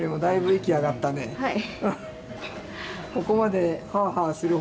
はい。